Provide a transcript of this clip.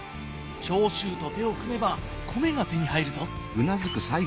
長州と手を組めば米が手に入るぞ。